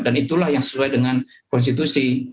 dan itulah yang sesuai dengan konstitusi